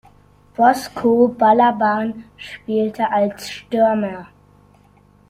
Boško Balaban spielte als Stürmer.